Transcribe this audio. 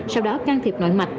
sau đó can thiệp nội mạch